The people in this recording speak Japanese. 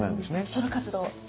ソロ活動！